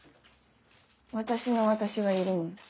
「私の私」はいるもん。